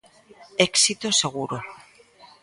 Éxito seguro.